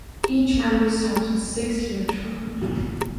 Each member serves a six-year term.